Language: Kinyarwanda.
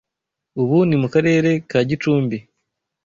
ubu ni mu Karere ka Gicumbi